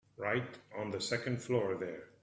Right on the second floor there.